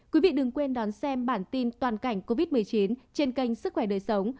quý vị đừng quên đón xem bản tin toàn cảnh covid một mươi chín trên kênh sức khỏe đời sống